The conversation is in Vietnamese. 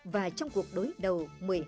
và trong cuộc đối đầu